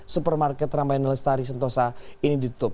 supermarket ramayana lestari sentosa ini ditutup